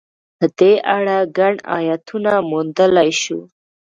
په دې اړه ګڼ ایتونه موندلای شو.